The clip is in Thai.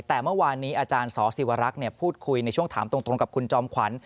แต่เมื่อวานนี้อาจารย์สศิวรักษ์พูดคุยในช่วงถามตรงกับคุณจอมขวัญ